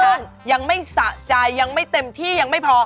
ยังไม่สะใจยังไม่เต็มที่ยังไม่พอ